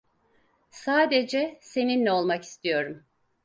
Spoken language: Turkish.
Sadece seninle olmak istiyorum.